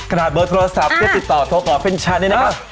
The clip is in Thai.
ขนาดเบอร์โทรศัพท์ก็ติดต่อโทรของเฟรนชัยนี่นะครับ